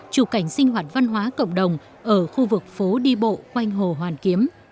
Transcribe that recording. chụp cảnh sinh hoạt văn hóa cộng đồng ở khu vực phố đi bộ quanh hồ hoàn kiếm